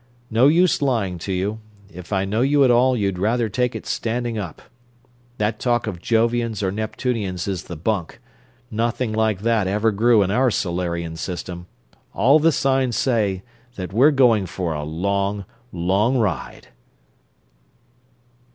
"No use lying to you if I know you at all you'd rather take it standing up. That talk of Jovians or Neptunians is the bunk nothing like that ever grew in our Solarian system. All the signs say that we're going for a long, long ride!"